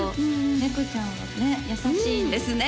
猫ちゃんはね優しいんですね